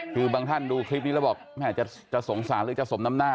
คือบางท่านดูคลิปนี้แล้วบอกแม่จะสงสารหรือจะสมน้ำหน้า